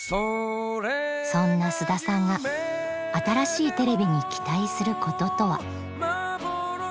そんな菅田さんがあたらしいテレビに期待することとは？